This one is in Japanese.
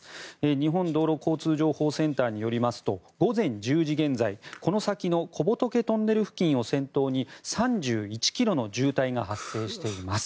日本道路交通情報センターによりますと午前１０時現在、この先の小仏トンネル付近を先頭に３１ｋｍの渋滞が発生しています。